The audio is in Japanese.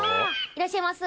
いらっしゃいます。